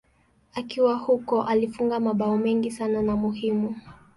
Akiwa huko alifunga mabao mengi sana na muhimu.